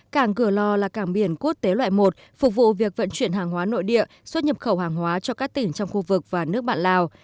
cảng cửa lò là cảng biển quốc tế loại một phục vụ việc vận chuyển hàng hóa nội địa xuất nhập khẩu hàng hóa cho các tỉnh trong khu vực và nước bạn lào